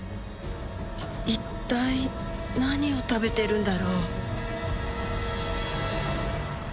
一体何を食べてるんだろう？